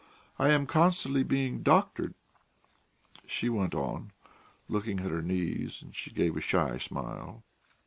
I am constantly being doctored," she went on, looking at her knees, and she gave a shy smile.